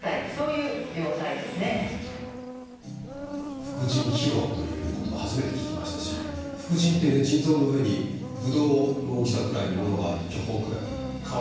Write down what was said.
副腎疲労という言葉始めて聞きましたし、副腎という腎臓の上にぶどうの大きさくらいのものがある、巨峰くらい。